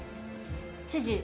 知事。